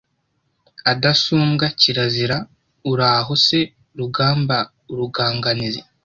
Adasumbwa kirazira Uraho se Rugamba urugangazi